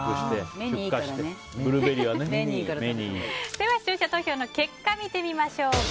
では、視聴者投票の結果を見てみましょう。